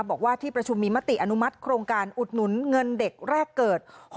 บอกว่าที่ประชุมมีมติอนุมัติโครงการอุดหนุนเงินเด็กแรกเกิด